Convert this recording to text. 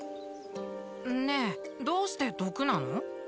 ねえどうして毒なの？